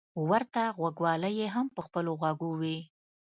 ورته غوږوالۍ يې هم په خپلو غوږو وې.